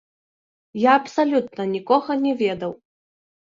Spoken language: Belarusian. Я абсалютна нікога не ведаў.